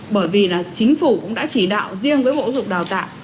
bởi vì là chính phủ cũng đã chỉ đạo riêng với bộ giáo dục đào tạo